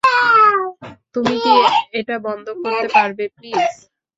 তুমি কি এটা বন্ধ করতে পারবে, প্লিজ?